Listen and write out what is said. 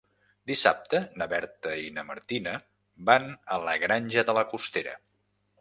Dissabte na Berta i na Martina van a la Granja de la Costera.